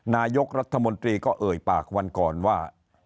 นายกรัฐมนตรีก็เอ่ยปากวันก่อนว่า